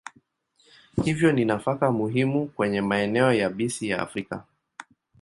Hivyo ni nafaka muhimu kwenye maeneo yabisi ya Afrika.